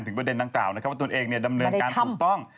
ถึงประเด็นต่างว่าตัวเองดำเนินการถูกต้อง